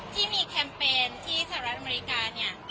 ที่มีแคมเปญที่สหรัฐอเมริกาเนี่ย